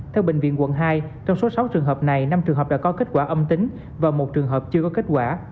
theo bệnh viện quận hai trong số sáu trường hợp này năm trường hợp đã có kết quả âm tính và một trường hợp chưa có kết quả